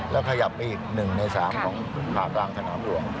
แล้วขยับไปอีก๑ใน๓ของผ่ากลางสนามหลวง